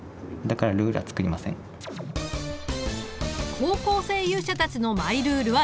高校生勇者たちのマイルールは出来た。